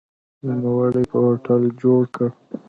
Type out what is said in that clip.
نوموړي په هوټل جوړ کړ.